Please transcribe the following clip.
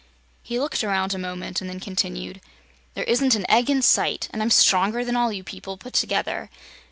He looked around a moment, and then continued: "There isn't an egg in sight, and I'm stronger than all of you people put together!